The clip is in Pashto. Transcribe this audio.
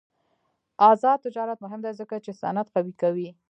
آزاد تجارت مهم دی ځکه چې صنعت قوي کوي.